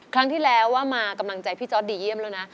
ครั้งที่แล้วว่ามากำลังใจพี่จอร์ดดีเยี่ยมแล้วนะ